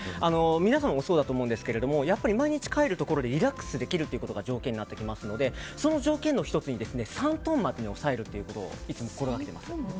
皆さんもそうだと思うんですけどやっぱり毎日帰るところでリラックスできることが条件になってきますのでその条件の１つに３トーンまでに抑えるというのを心がけています。